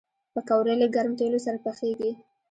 پکورې له ګرم تیلو سره پخېږي